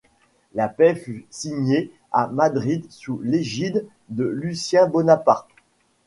La paix fut signé à Madrid sous l’égide de Lucien Bonaparte.